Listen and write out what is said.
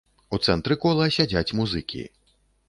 У цэнтры кола сядзяць музыкі.